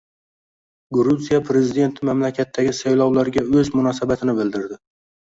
Gruziya prezidenti mamlakatdagi saylovlarga o‘z munosabatini bildirdi